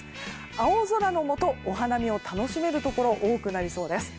青空のもとお花見を楽しめるところが多くなりそうです。